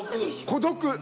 孤独。